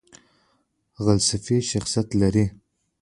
غلسفي شخصیت لري .